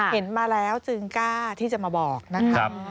เห็นมาแล้วจึงกล้าที่จะมาบอกนะคะ